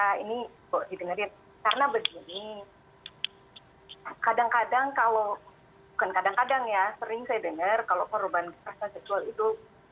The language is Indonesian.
nah ini kok didengarin karena begini kadang kadang kalau bukan kadang kadang ya sering saya dengar kalau korban kekerasan seksual itu